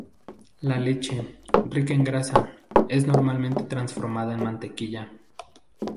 La leche, rica en grasa, es normalmente transformada en mantequilla.